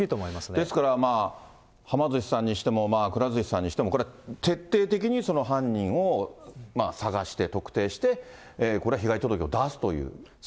ですからまあ、はま寿司さんにしても、くら寿司さんにしても、徹底的にその犯人を捜して、特定して、これは被害届を出すという。